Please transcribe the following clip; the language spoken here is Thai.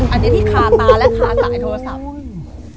อันนี้ที่คาตาและคาสายโทรศัพท์อืม